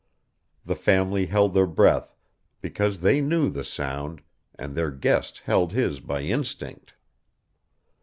The family held their breath, because they knew the sound, and their guest held his by instinct.